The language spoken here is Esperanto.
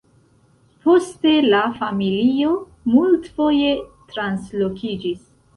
Poste la familio multfoje translokiĝis.